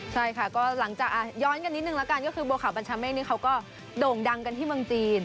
ใช่ค่ะก็หลังจากย้อนกันนิดนึงแล้วกันก็คือบัวขาวบัญชาเมฆนี่เขาก็โด่งดังกันที่เมืองจีน